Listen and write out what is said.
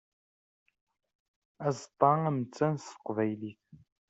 Aẓeṭṭa amettan s teqbaylit.